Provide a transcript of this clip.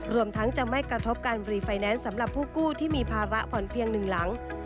รวมทั้งจะไม่กระทบการรีไฟแนนซ์สำหรับผู้กู้ที่มีภาระผ่อนเพียงหนึ่งหลัง